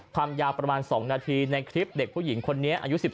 ความยาวประมาณ๒นาทีในคลิปเด็กผู้หญิงคนนี้อายุ๑๓